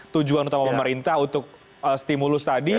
tujuan utama pemerintah untuk stimulus tadi